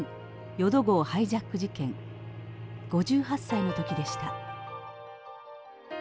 ５８歳の時でした。